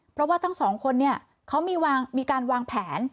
เพราะว่าทั้งสองคนเนี่ยเขามีการวางแผน